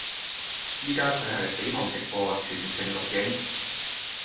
依家佢係死亡直播全程錄影